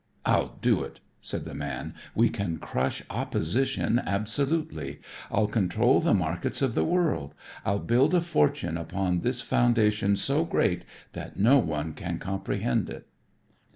"I'll do it," said the man. "We can crush opposition absolutely. I'll control the markets of the world. I'll build a fortune upon this foundation so great that no one can comprehend it."